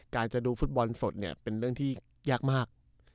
การจะดูฟุตบอลสดแต่งที่แยกมาก